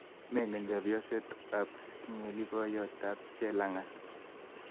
Mengen Chepyoset ap Kimeli poyot ap Chelang'at.